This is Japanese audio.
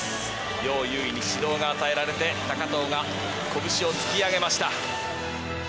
ヨウ・ユウイに指導が与えられて高藤が拳を突き上げました。